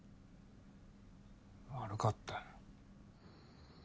悪かったよ。